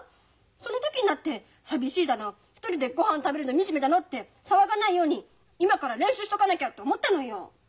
その時になって寂しいだの一人でごはん食べるのみじめだのって騒がないように今から練習しとかなきゃと思ったのよ。